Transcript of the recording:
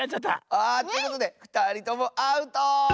あということでふたりともアウト！